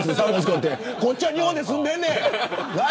こっちは日本に住んでんねん。